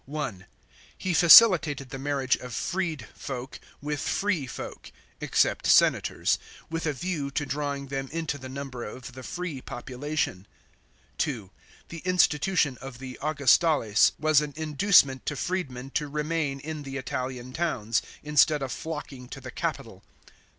(1) He facilitated the marriage of freed folk with free folk (except senators), with a view to drawing them into the number of the free population. (2) The institution of the Augustales (see below, § 6) was an inducement to freedmen to remain in the Italian towns, instead of nocking to the capital.